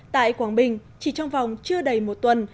tại quảng bình chỉ trong vòng chưa đầy một tuần